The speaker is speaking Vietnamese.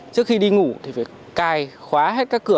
trước khi đi ngủ thì phải cai khóa hết các cửa